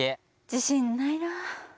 自信ないな。